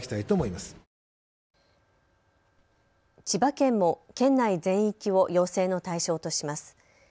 千葉県も県内全域を要請の対象とします。